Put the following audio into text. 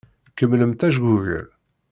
Kemmlemt ajgugel.